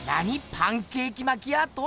パンケーキマキアート？